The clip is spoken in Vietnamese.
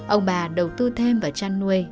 ông bà đầu tư thêm vào chăn nuôi